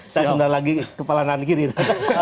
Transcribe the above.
saya sebenarnya lagi kepalan nanggir itu